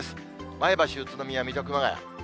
前橋、宇都宮、水戸、熊谷。